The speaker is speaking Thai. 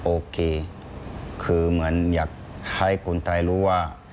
โอเคคือเหมือนอยากให้คนไทยรู้ว่า